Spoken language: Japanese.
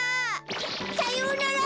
さようなら！